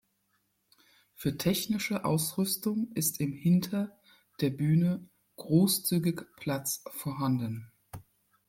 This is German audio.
Für technische Ausrüstung ist im hinter der Bühne großzügig Platz vorhanden.